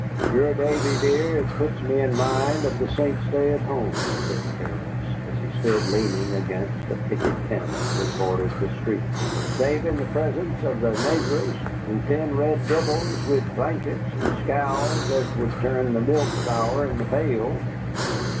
"Sure, Davy dear, it puts me in mind of the Saints' day at home," said Terence, as he stood leaning against a picket fence that bordered the street, "savin' the presence of the naygurs and thim red divils wid blankets an' scowls as wud turrn the milk sour in the pail."